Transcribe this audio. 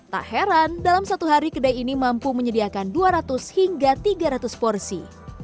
tak heran dalam satu hari kedai ini mampu menyediakan dua ratus hingga tiga ratus porsi